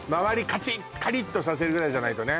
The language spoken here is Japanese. カチッカリッとさせるぐらいじゃないとね